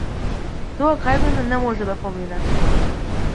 Тоа кај мене не може да помине!